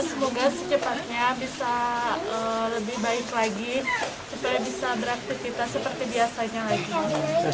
semoga secepatnya bisa lebih baik lagi supaya bisa beraktivitas seperti biasanya lagi